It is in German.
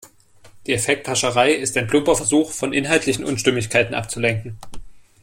Die Effekthascherei ist ein plumper Versuch, von inhaltlichen Unstimmigkeiten abzulenken.